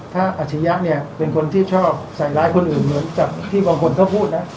ถ้าอัชริยะเนี่ยเป็นคนที่ชอบใส่ร้ายคนอื่นเหมือนกับที่บางคนเขาพูดนะ